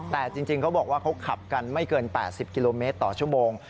แต่จริงเขาบอกว่าเขาขับกันไม่เกิน๘๐กิโลเมตรต่อชั่วโมง